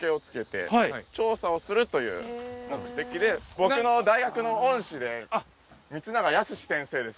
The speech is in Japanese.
僕の大学の恩師で光永靖先生です。